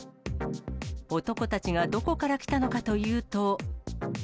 男たちがどこから来たのかというと。